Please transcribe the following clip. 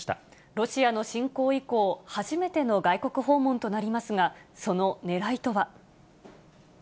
ロシアの侵攻以降、初めての外国訪問となりましたが、そのねらいとは。